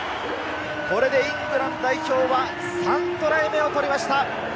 これでイングランド代表は３トライ目を取りました。